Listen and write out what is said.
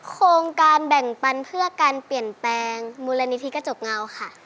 โครงการแบ่งปันเพื่อการเปลี่ยนแปลงมูลนิธิกระจกเงาค่ะ